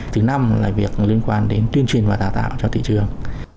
thứ năm là việc liên quan đến tuyên truyền và đào tạo cho thị trường